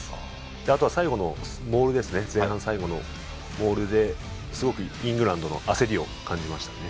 あとは、前半最後のモールですごくイングランドの焦りを感じましたね。